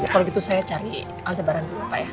kalau gitu saya cari al tabaran